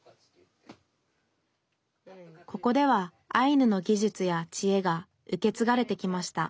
ここではアイヌの技術やちえが受け継がれてきました。